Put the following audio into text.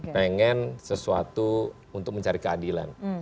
pengen sesuatu untuk mencari keadilan